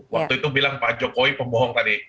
waktu itu bilang pak jokowi pembohong tadi